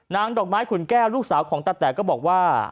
ดอกไม้ขุนแก้วลูกสาวของตาแต่ก็บอกว่า